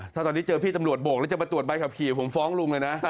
ถ้าตอนนี้เจอพี่ตำรวจโบกแล้วจะมาตรวจใบขับขี่ผมฟ้องลุงเลยนะ